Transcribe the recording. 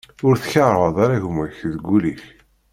Ur tkeṛṛheḍ ara gma-k deg wul-ik.